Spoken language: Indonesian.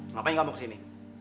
ngapain kamu kesini